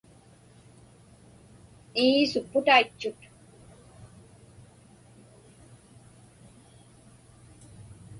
Ii, supputaitchut.